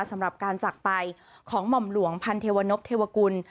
สำหรับการจักรไปของหม่อมหลวงพันเทวนพเทวกุล